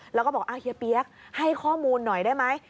แล้วก็บอกเฮียเปี๊ยกให้ข้อมูลหน่อยได้ไหม